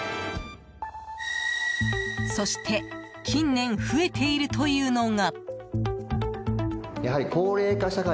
そして、近年増えているというのが。